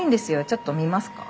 ちょっと見ますか？